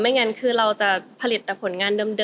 งั้นคือเราจะผลิตแต่ผลงานเดิม